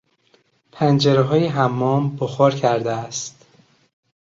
پنجرههای حمام بخار کرده است.